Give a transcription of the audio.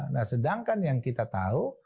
nah sedangkan yang kita tahu